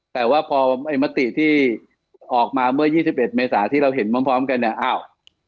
แต่ว่าพอไอ้มติที่ออกมาเมื่อ๒๑เมษาที่เราเห็นพร้อมกันเนี่ยอ้าว